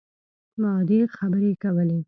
عادي خبرې کول